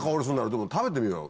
でも食べてみよう。